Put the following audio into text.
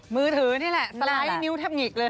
มือถือนี่แหละสไลด์นิ้วเทคนิคเลย